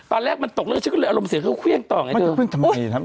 ตอนแรกมันตกเหลือฉันก็เลยอารมณ์เสียเพื่องที่เขาเขวี้ยงต่อไงเถอะ